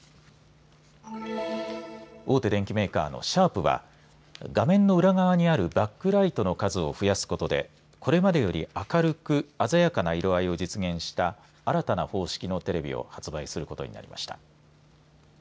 大手電機メーカーのシャープは画面の裏側にあるバックライトの数を増やすことでこれまでより明るく鮮やかな色合いを実現した新たな方式のテレビを発売することになりました。